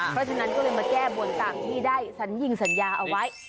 เพราะฉะนั้นก็เลยมาแก้บนตามที่ได้สัญญิงสัญญาเอาไว้